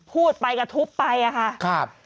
พูดไปกับทุบไปอ่ะค่ะ